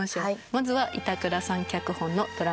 まずは板倉さん脚本のドラマです。